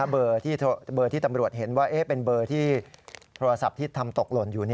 เบอร์ที่ตำรวจเห็นว่าเป็นเบอร์ที่โทรศัพท์ที่ทำตกหล่นอยู่